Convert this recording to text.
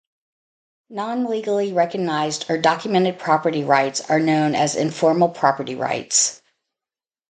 Non-legally recognized or documented property rights are known as informal property rights.